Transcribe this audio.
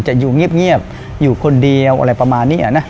จะอยู่เงียบอยู่คนเดียวอะไรประมาณนี้นะ